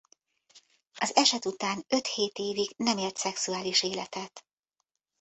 Az eset után öt-hét évig nem élt szexuális életet.